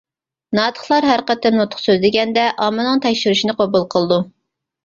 ناتىقلار ھەر قېتىم نۇتۇق سۆزلىگەندە ئاممىنىڭ تەكشۈرۈشىنى قوبۇل قىلىدۇ.